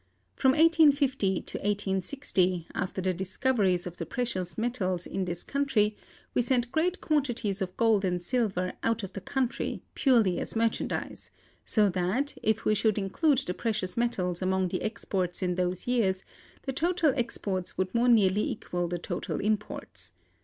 From 1850 to 1860, after the discoveries of the precious metals in this country, we sent great quantities of gold and silver out of the country, purely as merchandise, so that, if we should include the precious metals among the exports in those years, the total exports would more nearly equal the total imports.